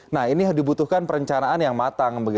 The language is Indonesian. nah ini dibutuhkan perencanaan yang matang